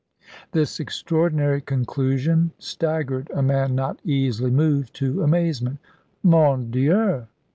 This extraordinary conclusion staggered a man not easily moved to amazement. "Mon Dieu!"